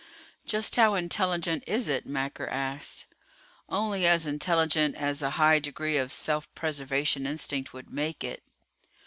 "Just how intelligent is it?" Macker asked. "Only as intelligent as a high degree of self preservation instinct would make it."